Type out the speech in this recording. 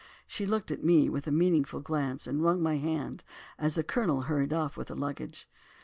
She looked at me with a meaning glance and wrung my hand as the Colonel hurried off with the luggage.